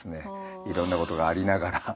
いろんなことがありながら。